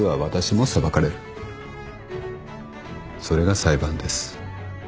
それが裁判です。